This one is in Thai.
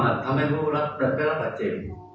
ขับรถแบบบ้างไม่ประมาททำให้รู้ละกับราช้าเจน